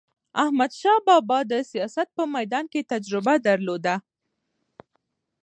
احمدشاه بابا د سیاست په میدان کې تجربه درلوده.